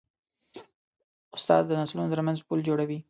استاد د نسلونو ترمنځ پل جوړوي.